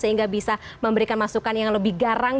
sehingga bisa memberikan masukan yang lebih garang